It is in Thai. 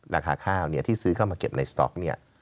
ราคาข้าวที่ซื้อเข้ามาเก็บในสต๊อกเนี่ย